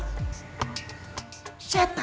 kita terlihat pintar